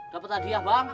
dapet hadiah bang